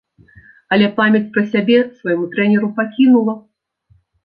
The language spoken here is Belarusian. Але памяць пра сябе свайму трэнеру пакінула.